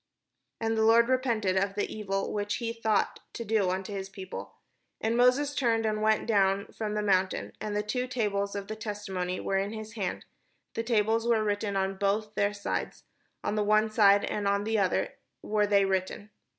" And the Lord repented of the evil which he thought to do unto his people. And Moses turned, and went down from the mount, and the two tables of the testimony were in his hand; the tables were written on both their sides; on the one side and on the other were they written.